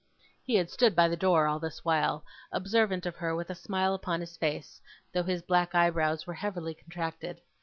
He had stood by the door, all this while, observant of her with a smile upon his face, though his black eyebrows were heavily contracted.